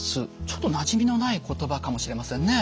ちょっとなじみのない言葉かもしれませんね。